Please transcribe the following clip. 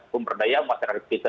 pemberdayaan masyarakat kita